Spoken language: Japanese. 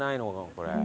これ。